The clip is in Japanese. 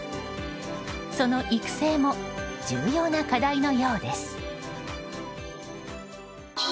その育成も重要な課題のようです。